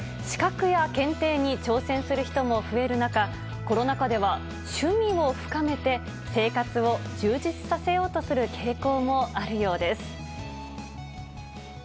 資格や検定に挑戦する人も増える中、コロナ禍では趣味を深めて生活を充実させようとする傾向もあるようです。